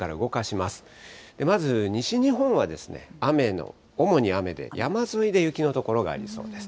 まず西日本は雨の、主に雨で、山沿いで雪の所がありそうです。